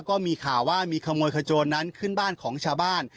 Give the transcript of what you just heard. ก็มีข่าวว่ามีขโมยขโจรนั้นขึ้นบ้านของชาวบ้าน